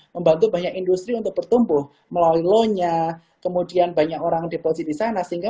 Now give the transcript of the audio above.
membantu banyak industri untuk bertumbuh melalui lawnya kemudian banyak orang deposit disana sehingga